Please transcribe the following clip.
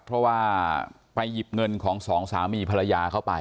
เพราะว่าไปหยิบเงินของสองสามีภรรยาเข้าไป